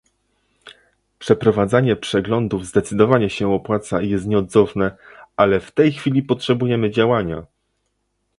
Przeprowadzanie przeglądów zdecydowanie się opłaca i jest nieodzowne, ale w tej chwili potrzebujemy działania!